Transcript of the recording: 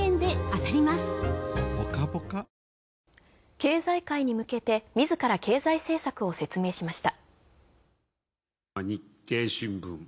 経済界に向けて自ら経済政策を説明しました。